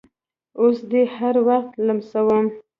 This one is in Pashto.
اوس دې هر وخت لمسوم